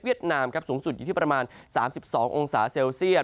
นามครับสูงสุดอยู่ที่ประมาณ๓๒องศาเซลเซียต